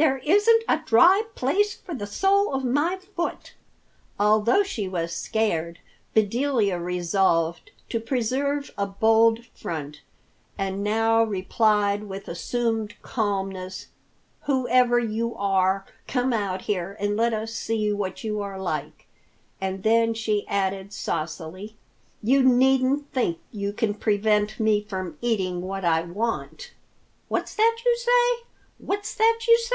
There isn't a dry place for the sole of my foot." Although she was scared, Bedelia resolved to preserve a bold front, and now replied with assumed calmness, "Whoever you are, come out here and let us see what you are like." And then she added saucily, "You needn't think you can prevent me from eating what I want!" "What's that you say? What's that you say?"